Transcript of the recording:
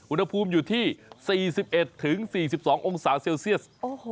อุณหภูมิอยู่ที่๔๑๔๒องศาเซลเซียส